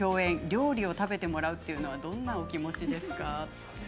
料理を食べてもらうというのはどんなお気持ちですか？